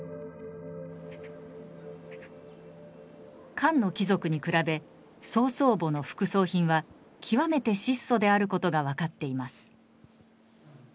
漢の貴族に比べ曹操墓の副葬品は極めて質素である事が分かっています。